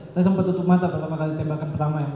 saya sempat tutup mata pertama kali tembakan pertama ya